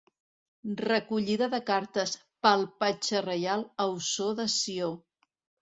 Recollida de cartes pel patge reial, a Ossó de Sió.